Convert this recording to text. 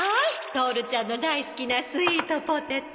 トオルちゃんの大好きなスイートポテト。